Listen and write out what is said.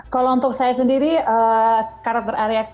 kalau untuk saya sendiri karakter ariati untungnya tidak ada